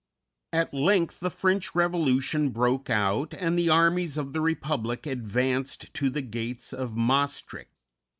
At length the French Revolution broke out, and the armies of the Republic advanced to the gates of Maestricht.